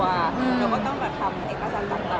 เราก็ต้องทำเอกสารต่าง